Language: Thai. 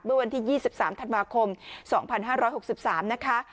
เมื่อวันที่๒๓ธันวาคม๒๕๖๓นะคะ